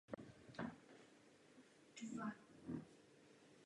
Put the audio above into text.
Poslední dvě jednotky této třídy byly postaveny pro Řecké námořnictvo.